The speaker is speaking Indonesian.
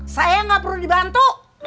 saya gak perlu dibantu